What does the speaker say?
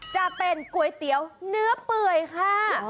จะเป็นก๋วยเตี๋ยวเนื้อเปื่อยค่ะ